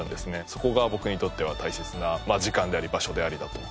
そこが僕にとっては大切な時間であり場所でありだと。